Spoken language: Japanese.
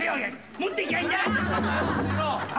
持っていきゃいい。